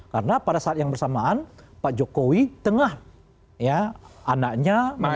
karena pada saat yang bersamaan pak jokowi tengah ya anaknya menantu